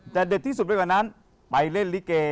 แต่เด็ดที่สุดไปกว่านั้นไปเล่นลิเก